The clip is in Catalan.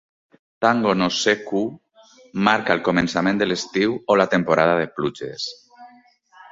"Tango no Sekku" marca el començament de l'estiu o la temporada de pluges.